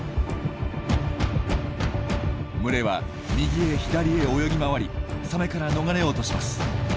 群れは右へ左へ泳ぎ回りサメから逃れようとします。